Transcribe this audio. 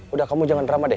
udah kamu jangan drama deh